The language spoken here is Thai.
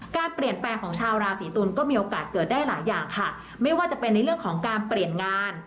การเปลี่ยนแปลงของชาวราศีตุลก็มีโอกาสเกิดได้หลายอย่างค่ะไม่ว่าจะเป็นในเรื่องของการเปลี่ยนงาน